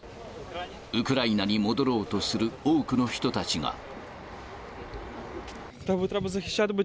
ウクライナに戻ろうとする多くの人たちが。